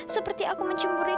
seperti aku mencemburu